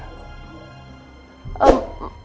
maksudnya pak dokter apa ya